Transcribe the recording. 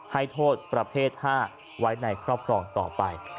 ให้โทษประเภท๕ไว้ในครอบครองต่อไป